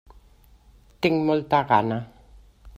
Tinc molta gana.